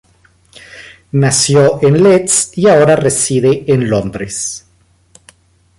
Nació en Leeds y ahora reside en Londres.